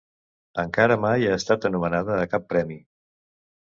Encara mai ha estat anomenada a cap premi.